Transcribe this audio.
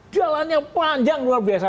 jalannya panjang luar biasa